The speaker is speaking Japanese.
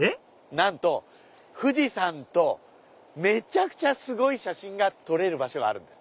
なんと富士山とめちゃくちゃすごい写真が撮れる場所があるんです。